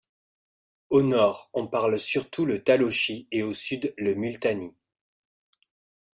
Au nord, on parle surtout le thalochi et au sud le multani.